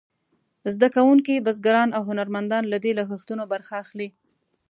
زده کوونکي، بزګران او هنرمندان له دې لګښتونو برخه اخلي.